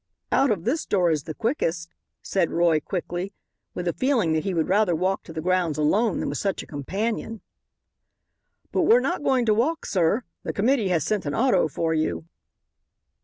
"Out of this door is the quickest," said Roy quickly, with a feeling that he would rather walk to the grounds alone than with such a companion. "But we're not going to walk, sir. The committee has sent an auto for you."